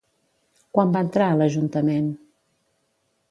Quan va entrar a l'ajuntament?